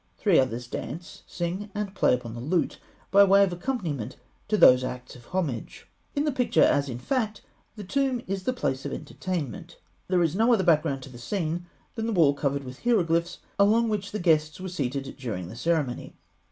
Three others dance, sing, and play upon the lute, by way of accompaniment to those acts of homage. In the picture, as in fact, the tomb is the place of entertainment. There is no other background to the scene than the wall covered with hieroglyphs, along which the guests were seated during the ceremony.